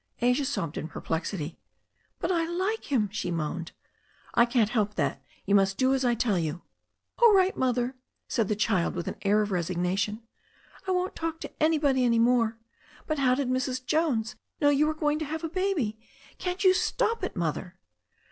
Asia sobbed in perplexity. "But I like him," she moaned. "I can't help that. You must do as I tell you." "All right. Mother," said the child with an air of resigna tion. "I won't talk to anybody any more. But how did Mrs. Jones know you were going to have a baby? Can't you stop it, Mother?"